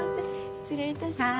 失礼いたします。